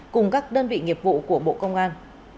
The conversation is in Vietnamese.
cùng các đơn vị nghiệp vụ của bộ công an